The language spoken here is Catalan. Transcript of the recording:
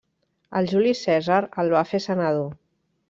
El Juli Cèsar el va fer senador.